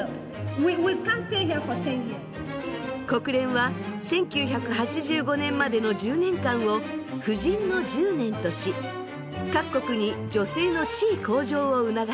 国連は１９８５年までの１０年間を「婦人の１０年」とし各国に女性の地位向上を促しました。